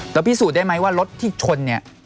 แล้วพิสูจน์ได้ไหมว่ารถที่ชน